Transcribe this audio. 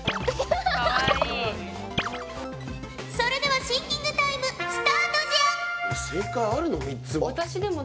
それではシンキングタイムスタートじゃ！